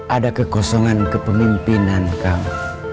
ada kekosongan kepemimpinan kamu